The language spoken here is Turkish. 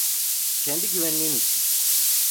Kendi güvenliğin için.